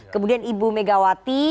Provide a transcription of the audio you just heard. kemudian ibu megawati